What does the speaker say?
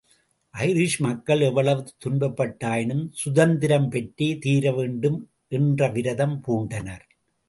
Irish மக்கள் எவ்வளவு துன்பப்பட்டாயினும் சுதந்திரம் பெற்றே தீரவேண்டும் என்று விரதம் பூண்டனர்.